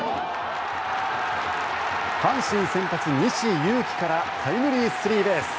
阪神先発、西勇輝からタイムリースリーベース。